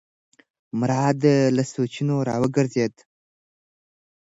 مراد له سوچونو راوګرځېد.